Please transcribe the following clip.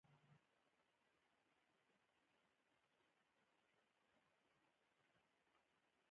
ته پوهېږې چې درې ستوري، له ورغلو تورو او تاج څه مانا؟